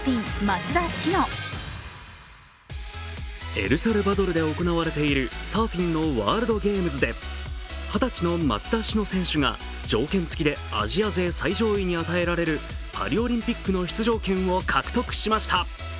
エルサルバドルで行われているサーフィンのワールドゲームズで二十歳の松田詩野選手が条件付きでアジア勢最上位に与えられるパリオリンピックの出場権を獲得しました。